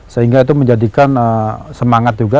sehingga itu menjadikan semangat juga